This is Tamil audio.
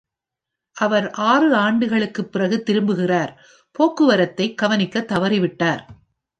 அவர் ஆறு ஆண்டுகளுக்குப் பிறகு திரும்புகிறார், போக்குவரத்தை கவனிக்கத் தவறிவிட்டார்.